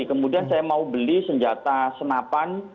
kemudian saya mau beli senjata senapan